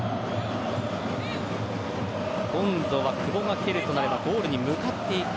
今度は久保が蹴るとなればゴールに向かっていく